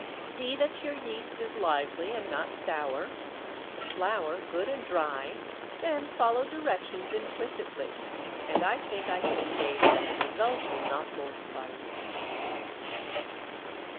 See that your yeast is lively and not sour, the flour good and dry, then follow directions implicitly, and I think I can engage that the result will not mortify you.